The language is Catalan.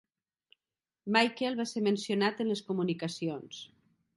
Michael va ser mencionat en les comunicacions.